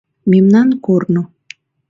Мемнан корно